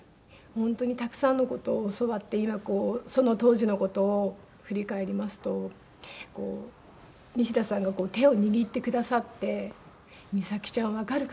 本当にたくさんの事を教わって今その当時の事を振り返りますと西田さんが手を握ってくださって「美咲ちゃんわかるかな？」